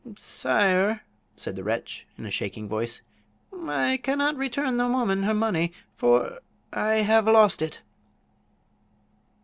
"Sire," replied the wretch, in a shaking voice, "I cannot return the woman her money, for I have lost it!"